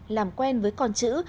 làm quen với con chữ